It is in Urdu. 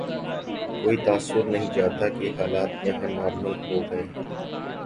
کوئی تاثر نہیں جاتا کہ حالات یہاں نارمل ہو گئے ہیں۔